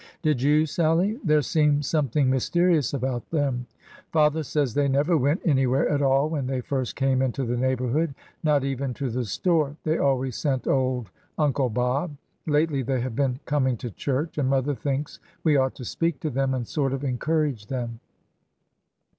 Did you, Sallie ? There seems something mysterious about them. Father says they never went anywhere at all when they first came into the neighborhood, — not even to the store. They always sent old Uncle Bob. Lately they have been coming to church, and mother thinks v/e ought to speak to them and sort of encourage them.